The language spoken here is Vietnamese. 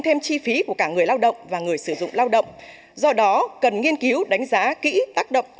thêm chi phí của cả người lao động và người sử dụng lao động do đó cần nghiên cứu đánh giá kỹ tác động